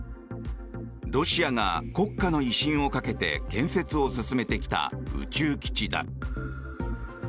ロシアが国家の威信をかけて建設を進めてきた宇宙基地だ。